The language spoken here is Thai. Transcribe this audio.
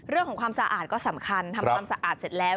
ความสะอาดก็สำคัญทำความสะอาดเสร็จแล้ว